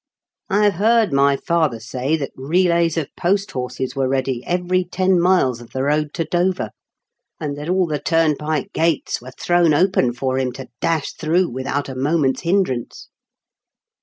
I have heard my father say that relays of post horses were ready every ten miles of the road to Dover, and that all the turnpike gates were thrown open for him to dash through without a moment's hindrance."